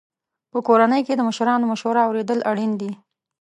په کورنۍ کې د مشرانو مشوره اورېدل اړین دي.